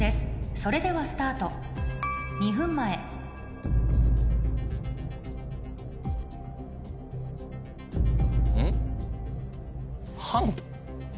それではスタート２分前はん？